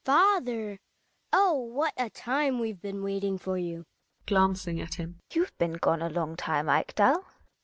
Hedvig. Father ! Oh, what a time we've been waiting for you ! GiNA (glancing at him). You've been gone a long time, Ekdal.